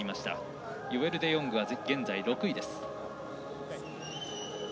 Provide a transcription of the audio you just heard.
ヨエル・デヨングは現在４位です。